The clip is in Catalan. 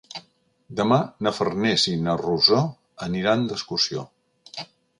Demà na Farners i na Rosó aniran d'excursió.